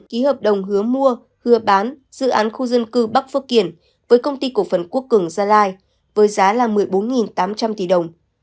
ký hợp đồng hứa mua hứa bán dự án khu dân cư bắc phước kiển với công ty cổ phần quốc cường gia lai với giá là một mươi bốn tám trăm linh tỷ đồng